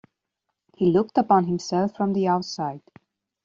He looked upon himself from the outside.